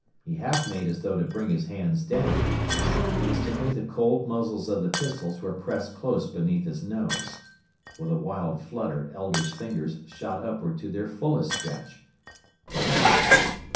He half made as though to bring his hands down. Instantly the cold muzzles of the pistols were pressed close beneath his nose. With a wild flutter Elder's fingers shot upward to their fullest stretch. "Come out!"